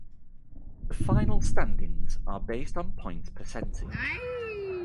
The final standings are based on points percentage.